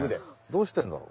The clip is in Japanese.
どうしてるんだろ？